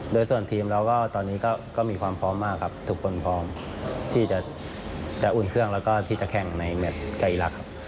โดยส่วนทีมเราก็ตอนนี้ก็มีความพร้อมมากครับทุกคนพร้อมที่จะอุ่นเครื่องแล้วก็ที่จะแข่งในแมทไก่อีรักษ์ครับ